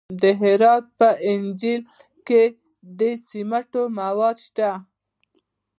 د هرات په انجیل کې د سمنټو مواد شته.